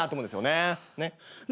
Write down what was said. ねっ。